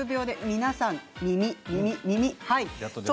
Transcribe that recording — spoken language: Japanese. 皆さん、耳。